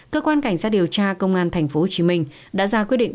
cơ quan cảnh sát điều tra công an tp hcm đã ra quyết định